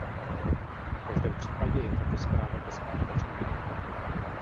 V každém případě je tato zpráva bezpáteřní.